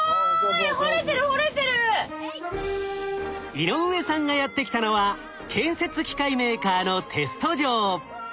井上さんがやって来たのは建設機械メーカーのテスト場。